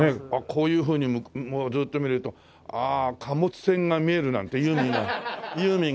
こういうふうにずっと見るとああ貨物船が見えるなんてユーミンが歌ってましたけどね。